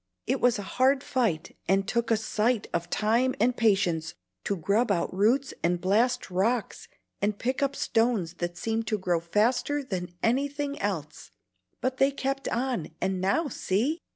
It was a hard fight, and took a sight of time and patience to grub out roots and blast rocks and pick up stones that seemed to grow faster than anything else. But they kept on, and now see!"